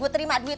gak terima gua